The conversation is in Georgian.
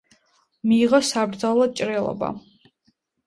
მიიღო საბრძოლო ჭრილობა.